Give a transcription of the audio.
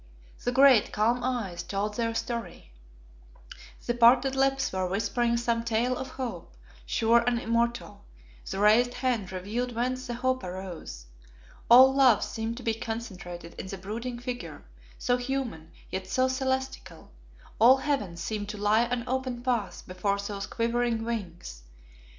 The great, calm eyes told their story, the parted lips were whispering some tale of hope, sure and immortal; the raised hand revealed whence that hope arose. All love seemed to be concentrated in the brooding figure, so human, yet so celestial; all heaven seemed to lie an open path before those quivering wings.